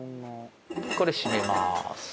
これ閉めます。